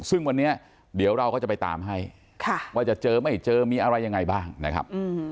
ซึ่งวันนี้เดี๋ยวเราก็จะไปตามให้ว่าจะเจอไม่เจอมีอะไรยังไงบ้างนะครับ